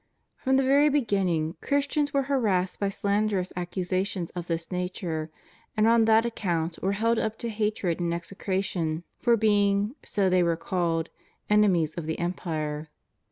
From the very beginning Christians were harassed by slanderous accusations of this nature, and on that ac count were held up to hatred and execration, for being (so they were called) enemies of the empire.